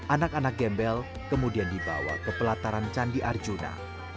anak anak gembel kemudian dibawa ke pelataran candi arjuna